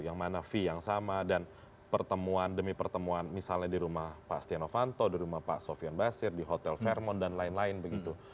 yang mana fee yang sama dan pertemuan demi pertemuan misalnya di rumah pak setia novanto di rumah pak sofian basir di hotel fairmont dan lain lain begitu